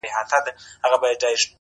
څه کورونه به ورانیږي او لوټیږي -